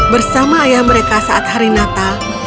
bersama ayah mereka saat hari natal